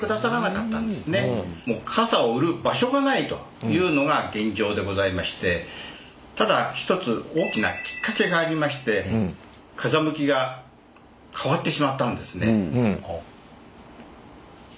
もう傘を売る場所がないというのが現状でございましてただ一つ大きなきっかけがありまして風向きが変わってしまったんですね。